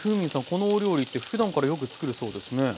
このお料理ってふだんからよく作るそうですね。